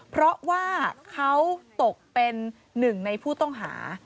เพราะว่าเขาตกเป็นหนึ่งในผู้ต้องหา